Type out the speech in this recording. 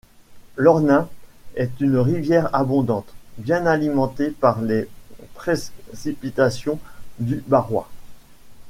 L'Ornain est une rivière abondante, bien alimentée par les précipitations du Barrois.